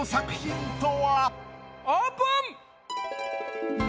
オープン！